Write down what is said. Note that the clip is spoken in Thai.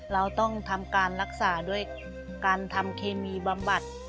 เราต้องทำการรักษาด้วยการทำเคมีบำบัด